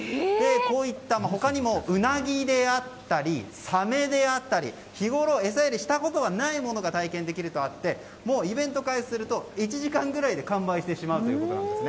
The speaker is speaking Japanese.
こうした、他にもウナギであったりサメであったり日ごろ餌やりしたことがないものが体験できるとあってもうイベントを開始すると１時間ぐらいで完売してしまうということです。